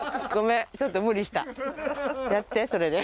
やってそれで。